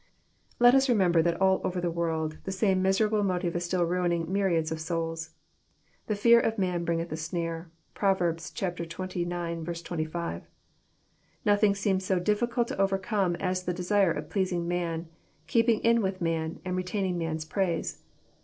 Let us remember that all over the world the same miserable motive is still mining myriads of souls. The fear of man bringeth a snare." (Prov. xxlx. 25.) Nothing seems so diffi cult to overcome as the desire of pleasing man, keeping in with man, and retaining man's praise.